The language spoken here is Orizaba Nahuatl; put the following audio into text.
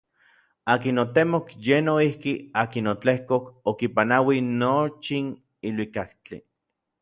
Akin otemok yej noijki akin otlejkok okipanauij nochin iluikaktli.